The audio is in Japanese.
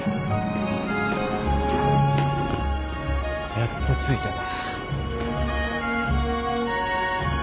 やっと着いたな。